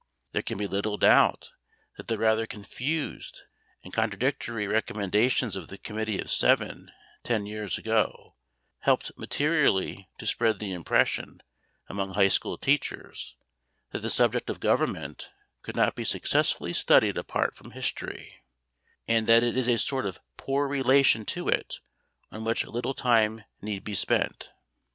There can be little doubt that the rather confused and contradictory recommendations of the Committee of Seven ten years ago helped materially to spread the impression among high school teachers that the subject of Government could not be successfully studied apart from History, and that it is a sort of poor relation to it on which little time need be spent.